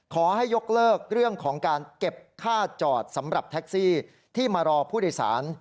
ขอให้ยกเลิกเรื่องของการเก็บค่าจอดสำหรับแท็กซี่ที่มารอผู้โดยสาร